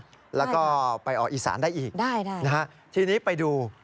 ได้ค่ะได้ค่ะแล้วก็ไปออกอีสานได้อีกนะฮะทีนี้ไปดู